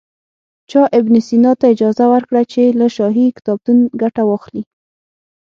چا ابن سینا ته اجازه ورکړه چې له شاهي کتابتون ګټه واخلي.